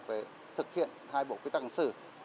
về thực hiện hai bộ quy tắc ứng xử